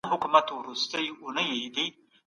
جګړې زموږ په کلتور ناوړه اغېز کړی.